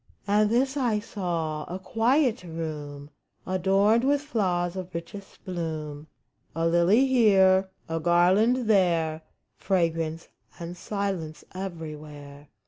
And this I saw : a quiet room Adorned with flowers of richest bloom — A lily here, a garland there — Fragrance and silence everywhere.